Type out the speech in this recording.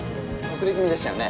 遅れ気味でしたよね？